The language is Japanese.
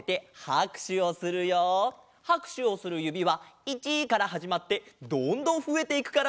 はくしゅをするゆびは１からはじまってどんどんふえていくからね！